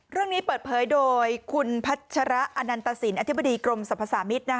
เรื่องนี้เปิดเผยโดยคุณพัชระอนันตสินอธิบดีกรมสรรพสามิตร